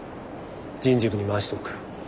人事部に回しておく。